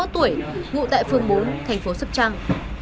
ba mươi một tuổi ngụ tại phường bốn thành phố sóc trăng